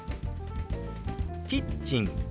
「キッチン」。